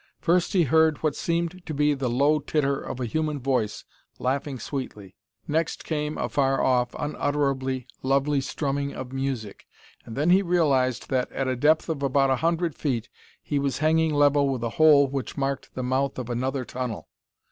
First he heard what seemed to be the low titter of a human voice laughing sweetly. Next came a far off, unutterably lovely strumming of music. And then he realized that, at a depth of about a hundred feet, he was hanging level with a hole which marked the mouth of another tunnel.